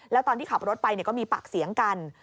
แล้วตอนที่ขับรถไปก็มีปากเสียงกัน